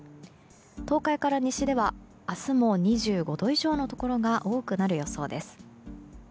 東海から西では明日も２５度以上のところが多くなる予想です。